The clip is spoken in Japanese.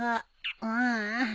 ううん。